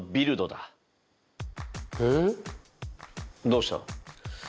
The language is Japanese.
どうした？